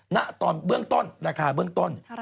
ณตอนเบื้องต้นราคาเบื้องต้น